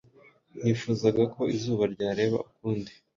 Nifuzaga ko izuba ryareba ukundi